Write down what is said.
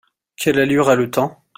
Quelle allure a le temps ?